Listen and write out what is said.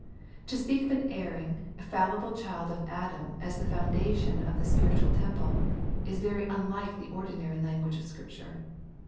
To speak of an erring, fallible child of Adam as the foundation of the spiritual temple, is very unlike the ordinary language of Scripture.